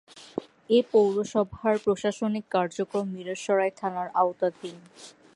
এ পৌরসভার প্রশাসনিক কার্যক্রম মীরসরাই থানার আওতাধীন।